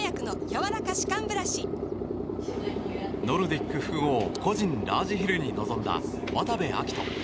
ＪＴノルディック複合個人ラージヒルに臨んだ渡部暁斗。